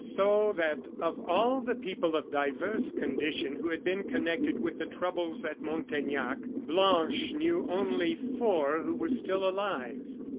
So that of all the people of diverse condition who had been connected with the troubles at Montaignac, Blanche knew only four who were still alive.